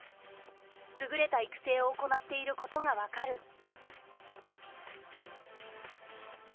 優れた育成を行っていることが分かる。